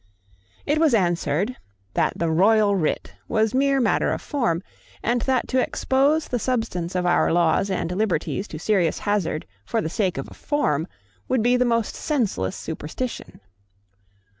It was answered that the royal writ was mere matter of form, and that to expose the substance of our laws and liberties to serious hazard for the sake of a form would be the most senseless superstition.